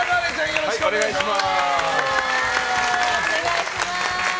よろしくお願いします。